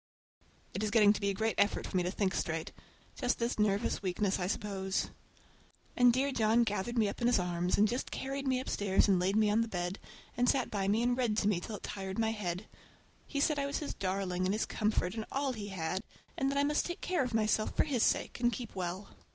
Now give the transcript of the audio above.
It is getting to be a great effort for me to think straight. Just this nervous weakness, I suppose. And dear John gathered me up in his arms, and just carried me upstairs and laid me on the bed, and sat by me and read to me till it tired my head. He said I was his darling and his comfort and all he had, and that I must take care of myself for his sake, and keep well.